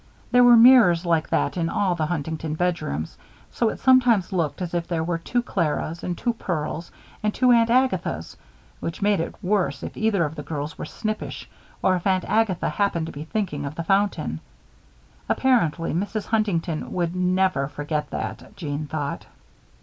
There were mirrors like that in all the Huntington bedrooms, so it sometimes looked as if there were two Claras and two Pearls and two Aunt Agathas, which made it worse if either of the girls were snippish, or if Aunt Agatha happened to be thinking of the fountain. Apparently, Mrs. Huntington would never forget that, Jeanne thought.